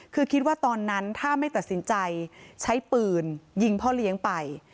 คือคิดว่าตอนนั้นถ้าไม่ตัดสินใจใช้ปืนยิงพ่อเลี้ยงไป